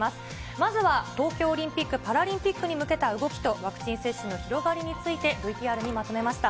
まずは東京オリンピック・パラリンピックに向けた動きと、ワクチン接種の広がりについて、ＶＴＲにまとめました。